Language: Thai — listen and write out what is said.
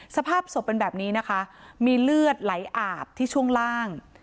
สภาพศพเป็นแบบนี้นะคะมีเลือดไหลอาบที่ช่วงล่าง